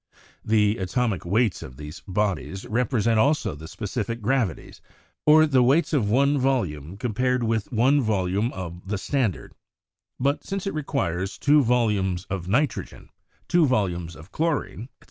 The atomic weights of these bodies represent also the specific gravities, or the weights of one volume compared with one volume of the standard; but since it requires two volumes of nitrogen, two volumes of chlorine, etc.